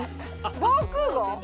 防空壕？